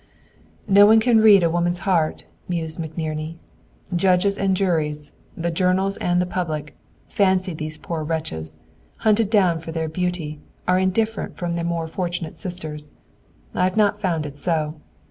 "No one can read a woman's heart!" mused McNerney. "Judges and juries, the journals and the public, fancy these poor wretches, hunted down for their beauty, are different from their more fortunate sisters. I've not found it so.